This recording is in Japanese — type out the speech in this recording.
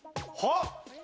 はっ？